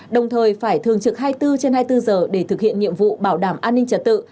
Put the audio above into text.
đồng thời phải thường trực hai mươi bốn trên hai mươi bốn giờ để thực hiện nhiệm vụ bảo đảm an ninh trật tự